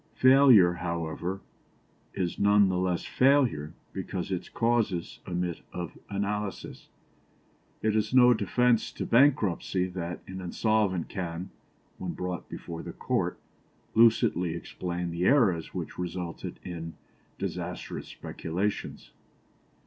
Failure, however, is none the less failure because its causes admit of analysis. It is no defence to bankruptcy that an insolvent can, when brought before the Court, lucidly explain the errors which resulted in disastrous speculations.